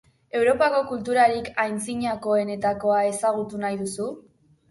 Europako kulturarik antzinakoenetakoa ezagutu nahi duzu?